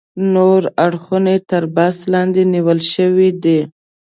نور اړخونه تر بحث لاندې نیول شوي دي.